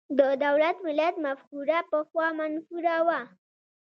د دولت–ملت مفکوره پخوا منفوره وه.